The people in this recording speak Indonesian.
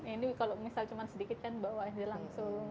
ini kalau misalnya cuma sedikit kan bawain aja langsung